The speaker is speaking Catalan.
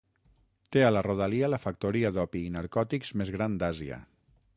Té a la rodalia la factoria d'opi i narcòtics més gran d'Àsia.